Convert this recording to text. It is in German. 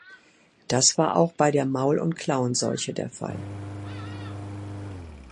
Das war auch bei der Maul- und Klauenseuche der Fall.